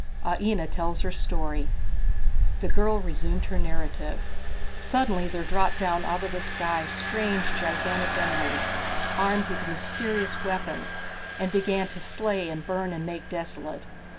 Aina Tells Her Story. The girl resumed her narrative: "Suddenly there dropped down out of the sky strange gigantic enemies, armed with mysterious weapons, and began to slay and burn and make desolate.